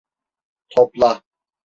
Topla!